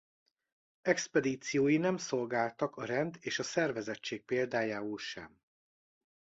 Expedíciói nem szolgáltak a rend és a szervezettség példájául sem.